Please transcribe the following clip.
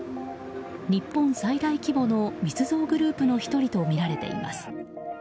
日本最大規模の密造グループの１人とみられています。